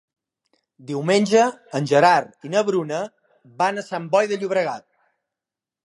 Diumenge en Gerard i na Bruna van a Sant Boi de Llobregat.